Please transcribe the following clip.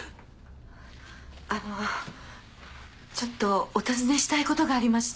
あのちょっとお尋ねしたいことがありまして。